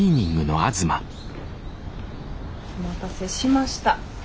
お待たせしました。